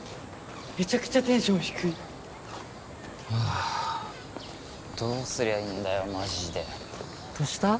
めちゃくちゃテンション低いはあどうすりゃいいんだよマジでどした？